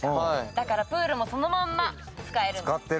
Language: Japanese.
だからプールもそのまま使えるんです。